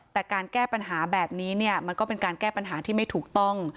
แต่การแก้ปัญหาแบบนี้เนี่ยมันก็เป็นการแก้ปัญหาที่ไม่ถูกต้อง